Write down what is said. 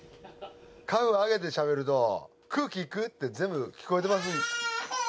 カフ上げてしゃべると「空気いく？」って全部聞こえてます。